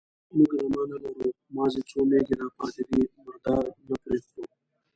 _موږ رمه نه لرو، مازې څو مېږې راپاتې دي، مردار نه پرې خورو.